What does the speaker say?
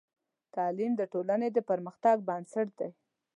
تعلیم د ټولنې د پرمختګ بنسټ دی.